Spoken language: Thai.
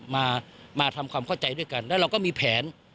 มามาทำความเข้าใจด้วยกันแล้วเราก็มีแผน